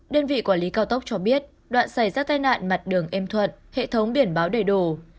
đơn vị quản lý cao tốc cho biết đoạn xảy ra tai nạn mặt đường êm thuận hệ thống biển báo đầy đủ